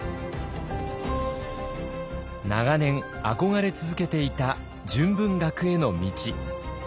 長年憧れ続けていた純文学への道。